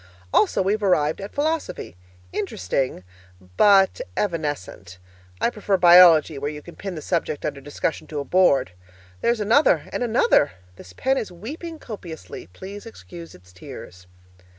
Also we've arrived at philosophy interesting but evanescent. I prefer biology where you can pin the subject under discussion to a board. There's another! And another! This pen is weeping copiously. Please excuse its tears.